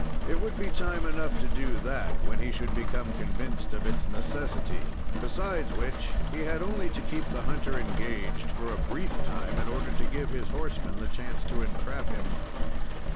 It would be time enough to do that when he should become convinced of its necessity; besides which, he had only to keep the hunter engaged for a brief time in order to give his horsemen the chance to entrap him.